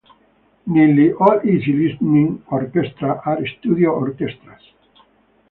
Nearly all easy listening orchestras are studio orchestras.